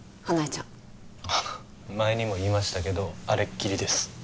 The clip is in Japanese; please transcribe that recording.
花枝ちゃん前にも言いましたけどあれっきりです